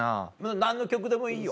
何の曲でもいいよ。